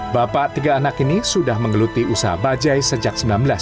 bapak tiga anak ini sudah menggeluti usaha bajai sejak seribu sembilan ratus sembilan puluh